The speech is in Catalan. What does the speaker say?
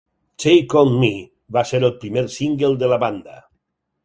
"Take On Me" va ser el primer single de la banda.